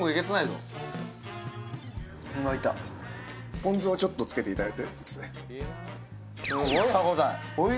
ポン酢をちょっとつけていただいて。